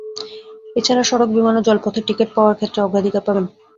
এ ছাড়া সড়ক, বিমান ও জলপথে টিকিট পাওয়ার ক্ষেত্রে অগ্রাধিকার পাবেন।